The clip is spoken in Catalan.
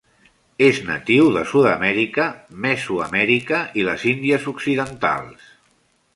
Es natiu de Sud-Amèrica, Mesoamèrica i les Indies Occidentals.